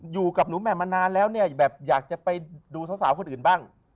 อยู่กับหนูแม่มานานแล้วเนี่ยแบบอยากจะไปดูสาวคนอื่นบ้าง